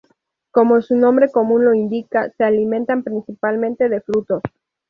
Como su nombre común lo indica, se alimentan principalmente de frutos.